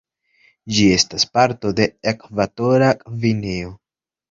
Ĝi estas parto de Ekvatora Gvineo.